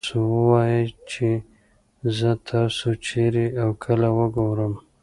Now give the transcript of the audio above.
تاسو ووايئ چې زه تاسو چېرې او کله وګورم.